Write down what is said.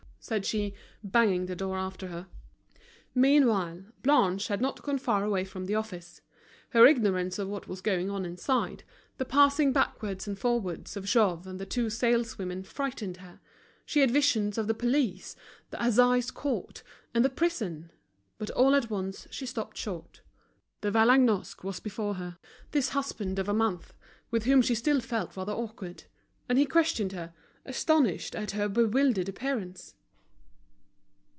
said she, banging the door after her. Meanwhile Blanche had not gone far away from the office. Her ignorance of what was going on inside, the passing backwards and forwards of Jouve and the two saleswomen frightened her, she had visions of the police, the assize court, and the prison. But all at once she stopped short: De Vallagnosc was before her, this husband of a month, with whom she still felt rather awkward; and he questioned her, astonished at her bewildered appearance.